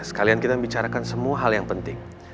sekalian kita membicarakan semua hal yang penting